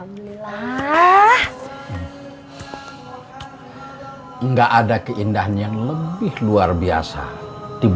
tentang tajelmy wife kita kasih